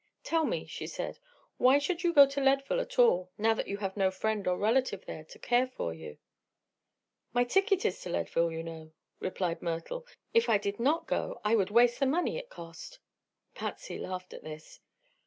"Tell me," she said; "why should you go to Leadville at all, now that you have no friend or relative there to care for you?" "My ticket is to Leadville, you know," replied Myrtle. "If I did not go I would waste the money it cost." Patsy laughed at this.